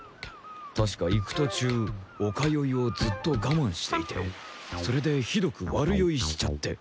確か行くとちゅう陸酔いをずっとがまんしていてそれでひどく悪酔いしちゃって。